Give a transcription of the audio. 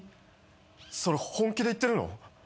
それ本気で言ってるの？